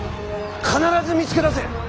必ず見つけ出せ！